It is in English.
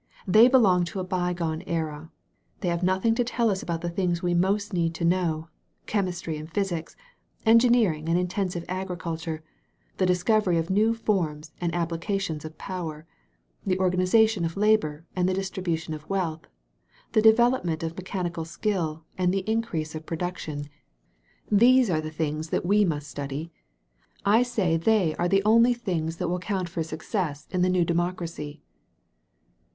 They belong to a bygone age. They have nothing to tell us about the things we most need to know — chemis try and physics, engineering and intensive agricul ture, the discovery of new forms and applications of power, the organization of labor and the dis tribution of wealth, the development of mechanical skill and the increase of production — ^these are the 199 THE VALLEY OF VISION things that we must study. I say they are the only things that will count for success in the new democ racy."